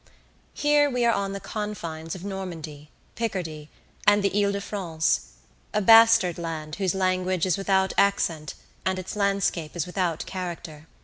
Here we are on the confines of Normandy, Picardy, and the Ile de France, a bastard land whose language is without accent and its landscape is without character.